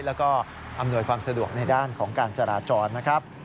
แล้วก็อำนวยความสะดวกในด้านของการจราจรนะครับ